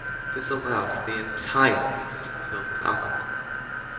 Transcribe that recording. This allowed for the entire pool to be filled with alcohol.